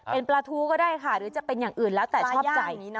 เป็นปลาทูก็ได้ค่ะหรือจะเป็นอย่างอื่นแล้วแต่ชอบใจ